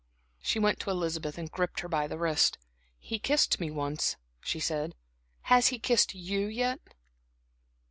She went to Elizabeth and gripped her by the wrist. "He kissed me once," she said. "Has he kissed you yet?"